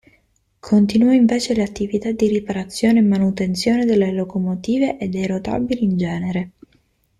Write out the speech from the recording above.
Continuò invece l'attività di riparazione e manutenzione delle locomotive e dei rotabili in genere.